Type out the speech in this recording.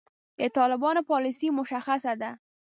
د طالبانو پالیسي مشخصه ده.